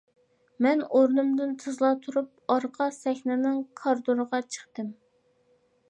مەن ئورنۇمدىن تىزلا تۇرۇپ، ئارقا سەھنىنىڭ كارىدورىغا چىقتىم.